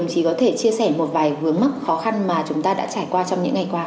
chỉ có thể chia sẻ một vài hướng mắc khó khăn mà chúng ta đã trải qua trong những ngày qua